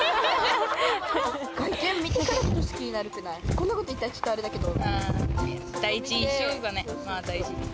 こんなこと言ったらちょっとあれだけど。